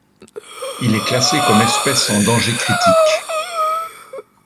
Il est classé comme espèce en danger critique.